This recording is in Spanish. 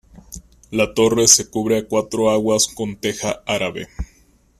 La torre se cubre a cuatro aguas con teja árabe.